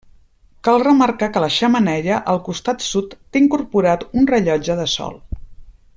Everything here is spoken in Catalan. Cal remarcar que la xemeneia, al costat sud, té incorporat un rellotge de sol.